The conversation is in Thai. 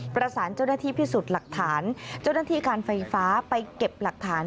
ประสานเจ้าหน้าที่พิสูจน์หลักฐานเจ้าหน้าที่การไฟฟ้าไปเก็บหลักฐาน